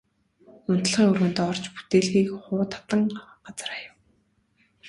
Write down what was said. Унтлагын өрөөндөө орж бүтээлгийг хуу татан газар хаяв.